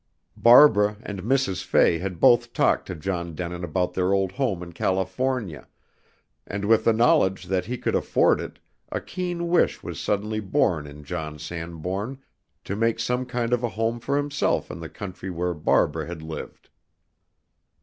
Barbara and Mrs. Fay had both talked to John Denin about their old home in California, and with the knowledge that he could afford it a keen wish was suddenly born in John Sanbourne to make some kind of a home for himself in the country where Barbara had lived.